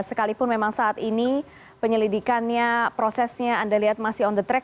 sekalipun memang saat ini penyelidikannya prosesnya anda lihat masih on the track